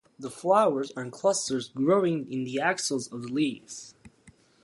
The flowers are in clusters growing in the axils of the leaves.